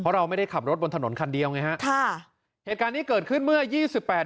เราไม่ได้ขับรถบนถนนคันเดียวไงฮะค่ะเหตุการณ์นี้เกิดขึ้นเมื่อยี่สิบแปด